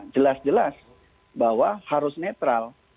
jelas jelas bahwa harus netral